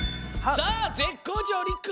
さあぜっこうちょうりくくん。